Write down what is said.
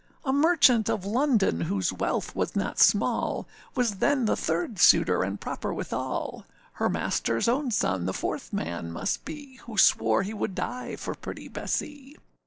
A merchant of London, whose wealth was not small, Was then the third suitor, and proper withal; Her masterâs own son the fourth man must be, Who swore he would die for pretty Bessee.